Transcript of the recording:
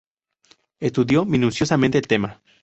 Estudió minuciosamente el tema.